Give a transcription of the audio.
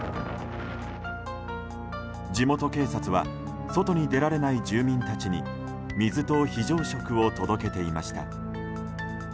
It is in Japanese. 地元警察は外に出られない住民たちに水と非常食を届けていました。